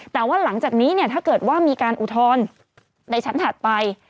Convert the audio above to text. แต่ว่าหลังจากนี้เนี่ยถ้าเกิดว่ามีการอุทธรณ์ในชั้นถัดไป